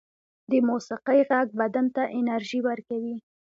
د موسيقۍ غږ بدن ته انرژی ورکوي